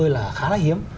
là khá là hiếm